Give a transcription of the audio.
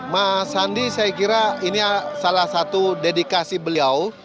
mas sandi saya kira ini salah satu dedikasi beliau